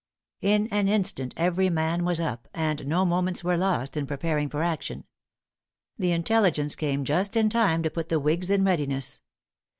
In an instant every man was up, and no moments were lost in preparing for action. The intelligence came just in time to put the whigs in readiness.